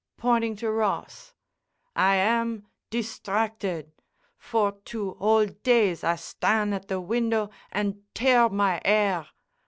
Pointing to' Ross. "I am distracted! For two whole days I stan' at the window an' tear my 'air!